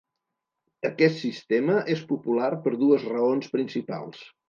Aquest sistema és popular per dues raons principals.